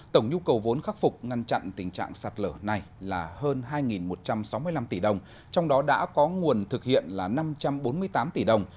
tổng nhu cầu vốn khắc phục ngăn chặn tình trạng sạt lở này là hơn hai một trăm sáu mươi năm tỷ đồng trong đó đã có nguồn thực hiện là năm trăm bốn mươi tám tỷ đồng